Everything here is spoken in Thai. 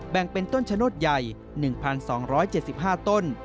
แบ่งเป็นต้นชนดใหญ่๑๒๗๕ต้น